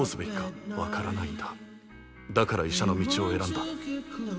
だから医者の道を選んだ。